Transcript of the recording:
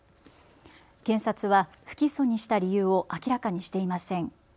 検察は不起訴にした理由を明らかにしていません。